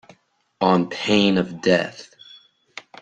On pain of death.